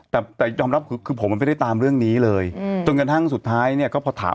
แต่แต่ยอมรับคือผมมันไม่ได้ตามเรื่องนี้เลยจนกระทั่งสุดท้ายเนี่ยก็พอถาม